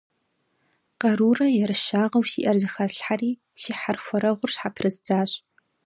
Къарурэ ерыщагъыу сиӏэр зэхэслъхьэри, си хьэрхуэрэгъур щхьэпрыздзащ.